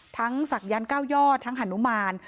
ทั้งศักยันต์เก้ายอดทั้งหนุมาน